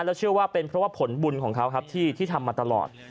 แล้วเชื่อว่าเป็นเพราะว่าผลบุญของเขาครับที่ทำมาตลอด